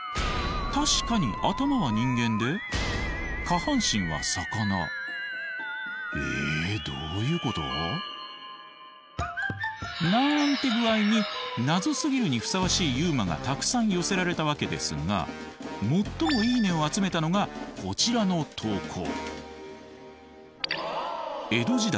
確かに頭は人間で下半身は魚。えどういうこと？なんて具合にナゾすぎるにふさわしいＵＭＡがたくさん寄せられたわけですが最も「いいね」を集めたのがこちらの投稿。